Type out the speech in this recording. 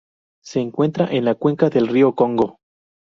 Se encuentra en la cuenca del río Congo.